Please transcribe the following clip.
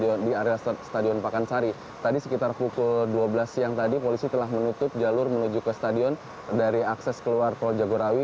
dan untuk mengantisipasi kehadiran presiden nanti di sekitar dua belas siang tadi polisi telah menutup jalur menuju ke stadion dari akses keluar pol jagorawi